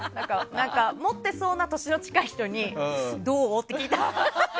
持ってそうな年の近い人にどう？って聞いたり。